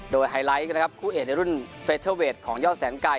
โดยไฮไลท์นะครับคู่เอกในรุ่นเฟเทอร์เวทของยอดแสงไก่